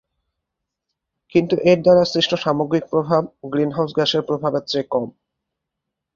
কিন্তু এর দ্বারা সৃষ্ট সামগ্রিক প্রভাব গ্রিন হাউজ গ্যাসের প্রভাবের চেয়ে কম।